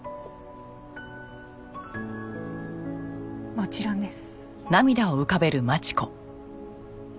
もちろんです。